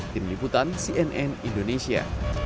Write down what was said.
tim liputan cnn indonesia